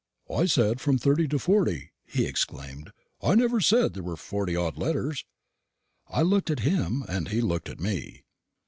"I said from thirty to forty," he exclaimed; "I never said there were forty odd letters." I looked at him and he looked at me.